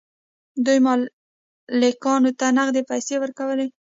دوی مالکانو ته نغدې پیسې ورکولې.